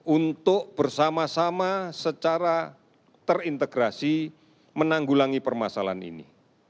untuk bersama sama secara terintegrasi menanggulangi permasalahan ini